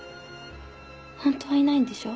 ホントはいないんでしょ？